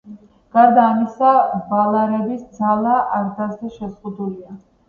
გარდა ამისა, ვალარების ძალა არდაზე შეზღუდულია.